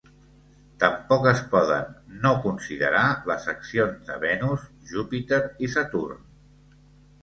Tampoc es poden no considerar les accions de Venus, Júpiter i Saturn.